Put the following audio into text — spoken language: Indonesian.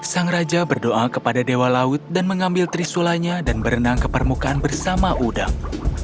sang raja berdoa kepada dewa laut dan mengambil trisulanya dan berenang ke permukaan bersama udang